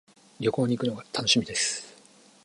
旅行に行くのが楽しみです。